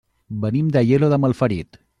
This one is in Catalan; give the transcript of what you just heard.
Venim d'Aielo de Malferit.